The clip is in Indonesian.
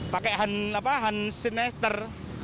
pakai hand sanitizer